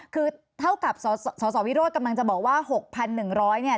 คือเท่ากับสสวิโรธกำลังจะบอกว่า๖๑๐๐เนี่ย